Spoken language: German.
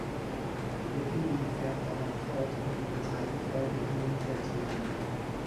Lopevi fährt danach fort, um in der zweiten Folge Immunität zu erlangen.